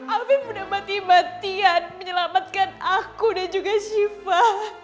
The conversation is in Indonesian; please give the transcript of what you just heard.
afif udah mati matian menyelamatkan aku dan juga siva